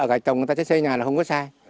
gạch chồng người ta sẽ xây nhà là không có sai